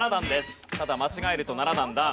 ただ間違えると７段ダウン。